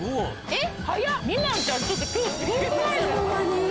えっ！